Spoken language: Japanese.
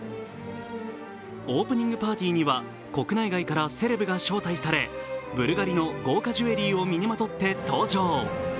オープニングパーティーには国内外からセレブが招待され、ブルガリの豪華ジュエリーを身にまとって登場。